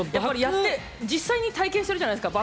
実際に体験するじゃないですか。